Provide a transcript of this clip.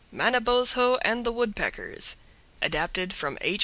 MANABOZHO AND THE WOODPECKERS Adapted from H.